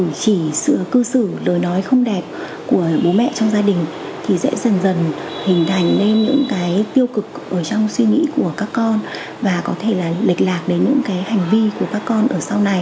và vì nonóng mà bị qua những cái cử chỉ sự cư sự lời nói không đẹp của bố mẹ trong gia đình thì sẽ dần dần hình thành lên những cái tiêu cực ở trong suy nghĩ của các con và có thể là lệch lạc đến những cái hành vi của các con ở sau này